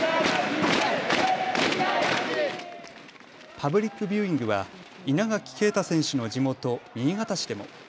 パブリックビューイングは稲垣啓太選手の地元新潟市でも。